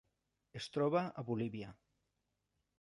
Es troba a Bolívia.